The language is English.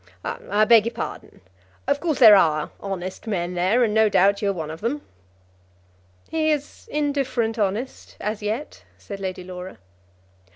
"I beg your pardon. Of course there are honest men there, and no doubt you are one of them." "He is indifferent honest, as yet," said Lady Laura.